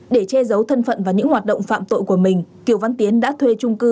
để che giấu thân phận và những hoạt động phạm tội của mình kiều văn tiến đã thuê trung cư